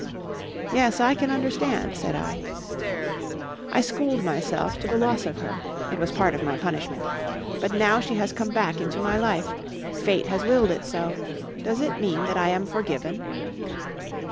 "Yes, I can understand," said I. "I schooled myself to the loss of her. It was part of my punishment. But now she has come back into my life. Fate has willed it so. Does it mean that I am forgiven?"